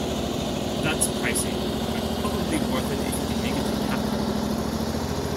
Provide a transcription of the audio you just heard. That's pricey, but probably worth it if he can make it happen.